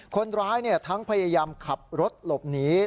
คนร้ายทั้งพยายามขับรถหลบหนี